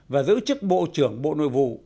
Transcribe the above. và giữ chức bộ trưởng bộ nội vụ